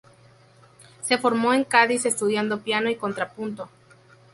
Se formó en Cádiz estudiando piano y contrapunto.